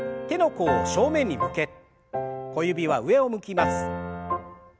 手の甲を正面に向け小指は上を向きます。